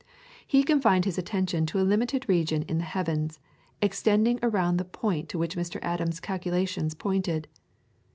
He confined his attention to a limited region in the heavens, extending around that point to which Mr. Adams' calculations pointed.